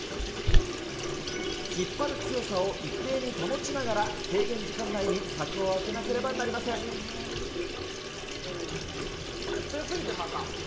引っ張る強さを一定に保ちながら制限時間内に柵を開けなければな強すぎてもあかん。